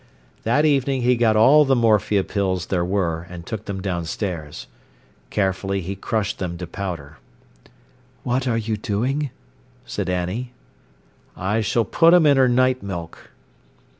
That evening he got all the morphia pills there were, and took them downstairs. Carefully he crushed them to powder. "What are you doing?" said Annie. "I s'll put 'em in her night milk."